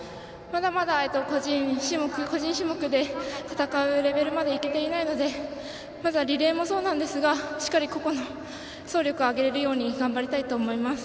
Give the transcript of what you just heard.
まだまだ、個人種目で戦うレベルまでいけていないのでまずはリレーもそうですがしっかり個々の走力を上げれるように頑張りたいと思います。